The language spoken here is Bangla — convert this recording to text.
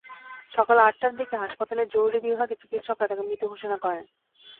সকাল আটটার দিকে হাসপাতালের জরুরি বিভাগের চিকিৎসকেরা তাঁকে মৃত ঘোষণা করেন।